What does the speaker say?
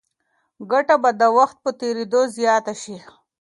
ګټه به د وخت په تېرېدو زیاته شي.